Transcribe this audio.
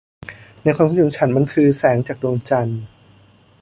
ในความคิดของฉันมันคือแสงจากดวงจันทร์